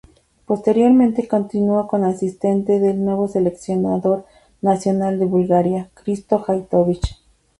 Posteriormente continuó como asistente del nuevo seleccionador nacional de Bulgaria, Hristo Stoichkov.